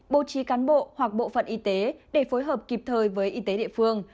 bố trí cán bộ hoặc bộ phận y tế để phối hợp kịp thời với y tế địa phương